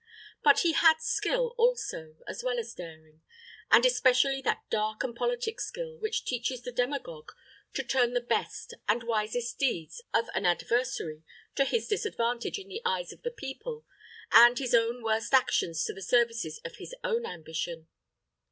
But he had skill also, as well as daring; and especially that dark and politic skill which teaches the demagogue to turn the best and wisest deeds of an adversary to his disadvantage in the eyes of the people, and his own worst actions to the services of his own ambition.